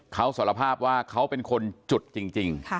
เขาสารภาพว่าเขาเป็นคนจุดจริง